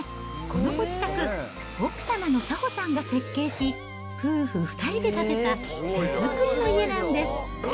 このご自宅、奥様の早穂さんが設計し、夫婦２人で建てた手作りの家なんです。